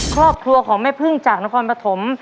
ครอบครัวของแม่พึ่งจากนครปฐม